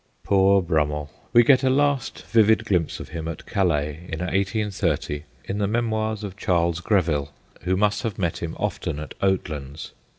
Poor Brummell ! We get a last vivid glimpse of him at Calais in 1830 in the memoirs of Charles Greville, who must have met him often at Oatlands.